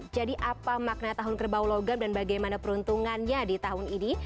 jadi apa makna tahun kerbau logam dan bagaimana peruntungannya di tahun ini